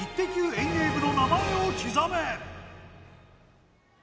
遠泳部の名前を刻め！